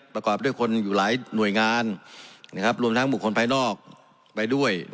ประกอบด้วยคนอยู่หลายหน่วยงานรวมทั้งบุคคลภายนอกไปด้วย